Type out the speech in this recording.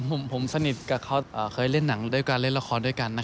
หรือว่าไปจีบอะไรมากมายครับ